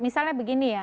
misalnya begini ya